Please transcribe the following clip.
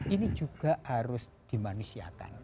ini juga harus dimanisiakan